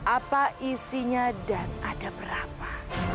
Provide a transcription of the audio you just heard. apa isinya dan ada berapa